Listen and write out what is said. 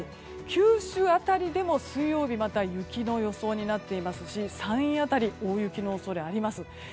九州辺りでも水曜日また雪の予想になってますし山陰辺り、大雪の恐れあります。